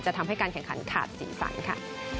ทำให้การแข่งขันขาดสีสันค่ะ